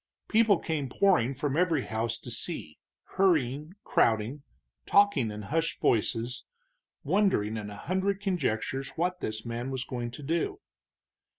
People came pouring from every house to see, hurrying, crowding, talking in hushed voices, wondering in a hundred conjectures what this man was going to do.